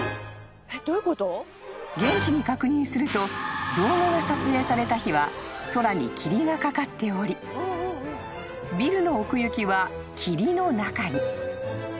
［現地に確認すると動画が撮影された日は空に霧がかかっておりビルの奥行きは霧の中に］